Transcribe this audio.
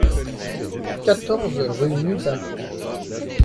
quatorze rue Muzac